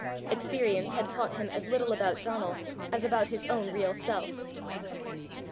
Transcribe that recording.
Experience had taught him as little about Donal as about his own real self.